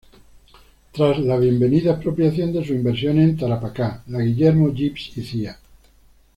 Tras la bienvenida expropiación de sus inversiones en Tarapacá, la "Guillermo Gibbs y Cía.